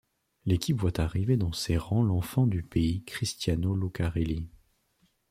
L'équipe voit arriver dans ses rangs l'enfant du pays Cristiano Lucarelli.